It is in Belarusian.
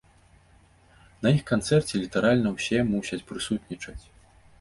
На іх канцэрце літаральна ўсе мусяць прысутнічаць!